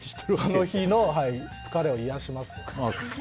その日の疲れを癒やします。